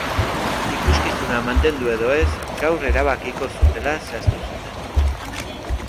Ikuskizuna mantendu edo ez gaur erabakiko zutela zehaztu zuten.